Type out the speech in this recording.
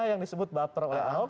yang disebut baper oleh ahok